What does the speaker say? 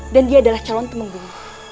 dan dia adalah calon temenggung